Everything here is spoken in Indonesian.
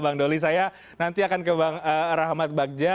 bang doli saya nanti akan ke bang rahmat bagja